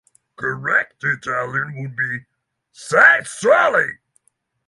Correct Italian would be "sei soli".